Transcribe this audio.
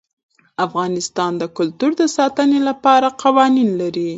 افغانستان د کلتور د ساتنې لپاره قوانین لري.